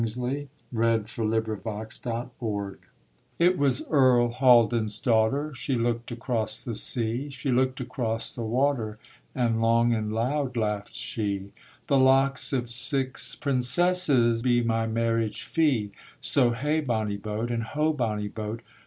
BALLAD OF EARL HALDAN'S DAUGHTER It was Earl Haldan's daughter, She looked across the sea; She looked across the water; And long and loud laughed she: 'The locks of six princesses Must be my marriage fee, So hey bonny boat, and ho bonny boat!